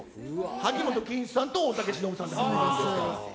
萩本欽一さんと大竹しのぶさんだった。